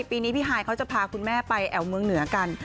ปีนี้พี่ฮายเขาจะพาคุณแม่ไปแอวเมืองเหนือกัน